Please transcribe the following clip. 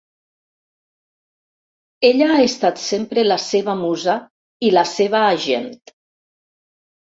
Ella ha estat sempre la seva musa i la seva agent.